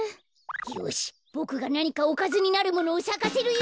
よしボクがなにかおかずになるものをさかせるよ！